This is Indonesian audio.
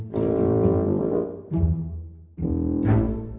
pindah dalem ya